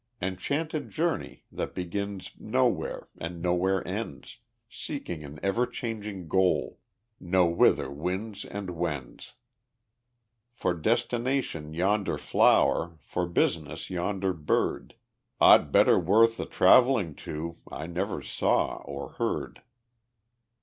Enchanted journey! that begins Nowhere, and nowhere ends, Seeking an ever changing goal, Nowhither winds and wends. For destination yonder flower, For business yonder bird; Aught better worth the travelling to I never saw or heard.